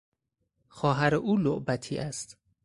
خواهر او لعبتی است!